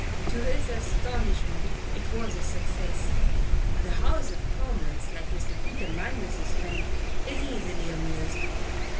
To his astonishment it was a success. The House of Commons, like Mr. Peter Magnus's friend, is easily amused.